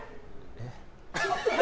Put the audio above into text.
えっ。